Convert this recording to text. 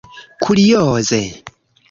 kurioze